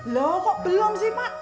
loh kok belum sih pak